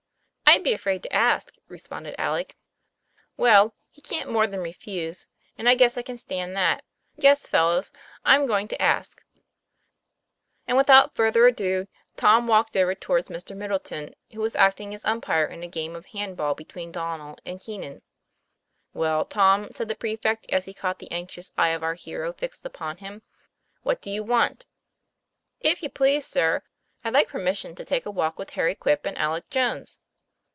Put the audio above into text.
'I'd be afraid to ask," responded Alec. 'Well, he can't more than refuse, and I guess I can stand that. Yes, fellows, I'm going to ask." TOM PLA YFAIR, 99 And without further ado, Tom walked over towards Mr. Middleton, who was acting as umpire in a game of hand ball between Donnel and Keenan. 'Well, Tom," said the prefect, as he caught the anxious eyes of our hero fixed upon him, " what do you want ?" 'If you please, sir, I'd like permission to take a walk with Harry Quip and Alec Jones."